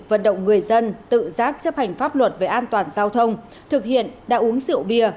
vận động người dân tự giác chấp hành pháp luật về an toàn giao thông thực hiện đã uống rượu bia